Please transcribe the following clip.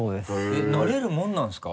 えっなれるもんなんですか？